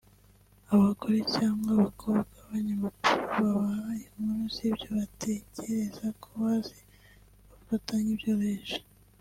Abagore cyangwa abakobwa b’abanyamakuru babaha inkuru z’ibyo batekereza ko bazi bafata nk’ibyoroheje